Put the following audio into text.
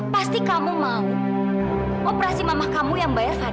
pasti kamu mau operasi mama kamu yang bayar fadil